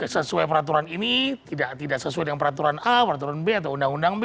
sesuai peraturan ini tidak sesuai dengan peraturan a peraturan b atau undang undang b